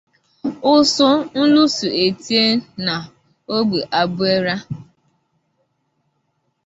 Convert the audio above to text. Ụ̀sụ̀ nlụsụ è tie nà ogbè Albuera.